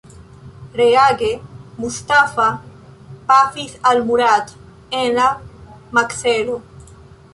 Reage, Mustafa pafis al Murat en la makzelo.